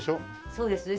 そうですね。